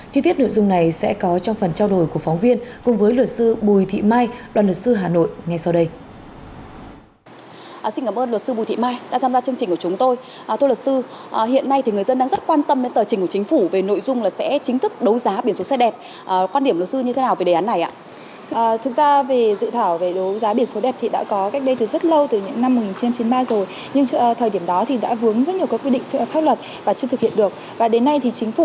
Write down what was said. chi tiết nội dung này sẽ có trong phần trao đổi của phóng viên cùng với luật sư bùi thị mai đoàn luật sư hà nội ngay sau đây